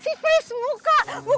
aduh si fris muka